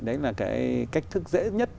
đấy là cái cách thức dễ nhất